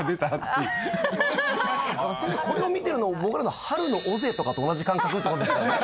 これを見てるの僕らの春の尾瀬とかと同じ感覚って事ですよね。